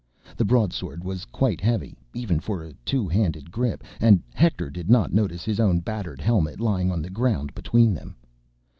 The broadsword was quite heavy, even for a two handed grip. And Hector did not notice his own battered helmet laying on the ground between them.